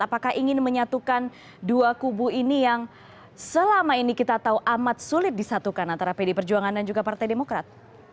apakah ingin menyatukan dua kubu ini yang selama ini kita tahu amat sulit disatukan antara pdi perjuangan dan juga partai demokrat